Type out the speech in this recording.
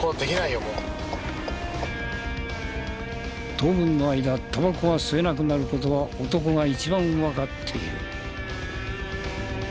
当分の間タバコは吸えなくなる事は男が一番分かっている。